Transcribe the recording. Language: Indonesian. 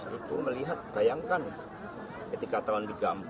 itu melihat bayangkan ketika tahun seribu sembilan ratus tiga puluh